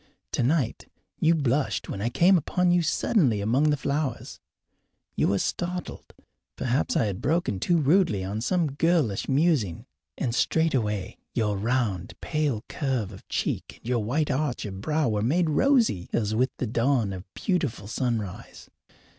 Tonight you blushed when I came upon you suddenly among the flowers. You were startled perhaps I had broken too rudely on some girlish musing; and straightway your round, pale curve of cheek and your white arch of brow were made rosy as with the dawn of beautiful sunrise.